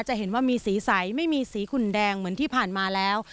จะเห็นว่ามีสีใสไม่มีสีขุนแดงเหมือนที่ผ่านมาแล้ว